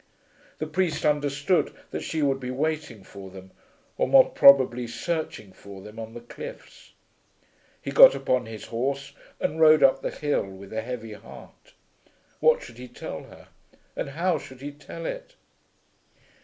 The priest understood that she would be waiting for them, or more probably searching for them on the cliffs. He got upon his horse and rode up the hill with a heavy heart. What should he tell her; and how should he tell it?